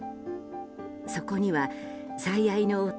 そこには最愛の夫